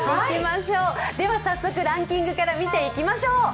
早速、ランキングから見ていきましょう。